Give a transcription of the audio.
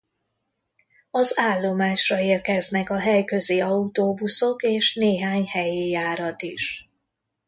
Az állomásra érkeznek a helyközi autóbuszok és néhány helyi járat is.